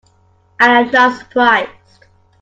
I am not surprised.